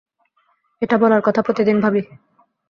এটা বলার কথা প্রতিদিন ভাবি।